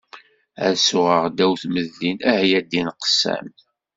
Ad suɣeɣ ddaw tmedlin, ah ya ddin qessam!